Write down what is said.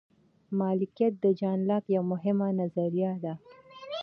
مالکیت د جان لاک یوه مهمه نظریه ده.